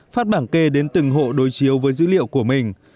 phát bảng kê đến từng hộ đối chiếu với dữ liệu của mình